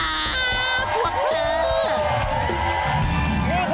อ้อตัวเจอ